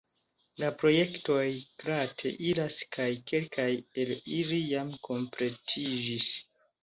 La projektoj glate iras kaj kelkaj el ili jam kompletiĝis.